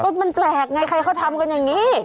ก็มันแปลกไงใครเขาทำกันอย่างนี้